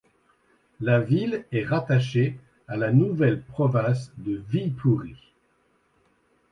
La ville est rattachée à la nouvelle province de Viipuri.